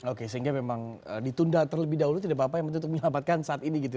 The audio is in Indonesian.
oke sehingga memang ditunda terlebih dahulu tidak apa apa yang penting untuk menyelamatkan saat ini gitu ya